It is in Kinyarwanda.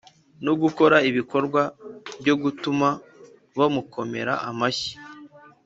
no gukora ibikorwa byo gutuma bamukomera amashyi